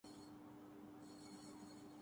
سندھ حکومت کا موقفکس حد تک درست یا غلط ہے